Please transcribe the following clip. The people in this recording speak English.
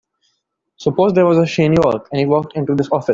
Suppose there was a Shane York and he walked into this office.